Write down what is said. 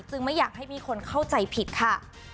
ไม่อยากให้มีคนเข้าใจผิดค่ะ